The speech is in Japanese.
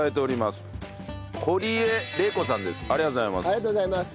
ありがとうございます。